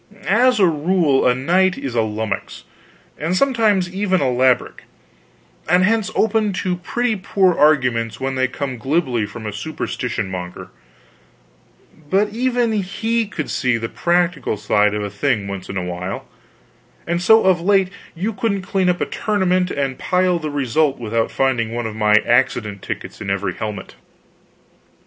As a rule, a knight is a lummux, and some times even a labrick, and hence open to pretty poor arguments when they come glibly from a superstition monger, but even he could see the practical side of a thing once in a while; and so of late you couldn't clean up a tournament and pile the result without finding one of my accident tickets in every helmet.